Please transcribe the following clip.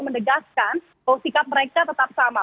menegaskan bahwa sikap mereka tetap sama